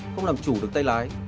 không làm chủ được tay lái